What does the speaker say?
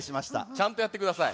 ちゃんとやってください。